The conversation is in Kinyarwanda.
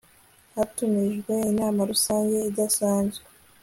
hatumijwe inama rusange idasanzwe